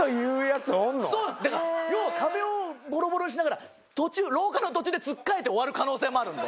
だから要は壁をボロボロにしながら廊下の途中でつっかえて終わる可能性もあるんで。